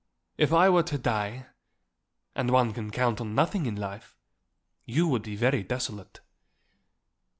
If I were to die and one can count on nothing in life you would be very desolate."